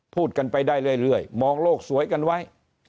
พูดกันไปได้เรื่อยมองโลกสวยกันไว้